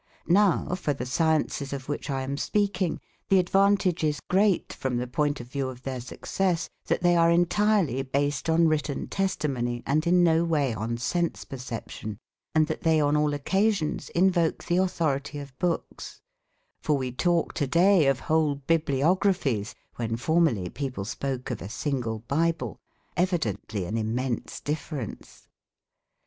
Now, for the sciences of which I am speaking, the advantage is great from the point of view of their success that they are entirely based on written testimony, and in no way on sense perception, and that they on all occasions invoke the authority of books (for we talk to day of whole bibliographies when formerly people spoke of a single Bible evidently an immense difference).